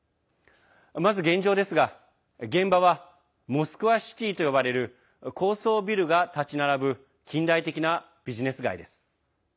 まず現状ですが、現場はモスクワシティと呼ばれる高層ビルが建ち並ぶ近代的なビジネス街です。